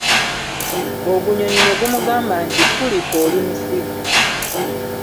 Ogunyonyi ne gumugamba nti Fulipo oli musiru.